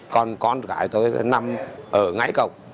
còn con gái tôi nằm ở ngay cổng